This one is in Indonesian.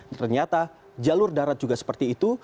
ternyata jalur darat juga seperti itu